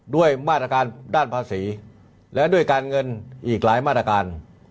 ด้วยมาตรการด้านภาษีและด้วยการเงินอีกหลายมาตรการ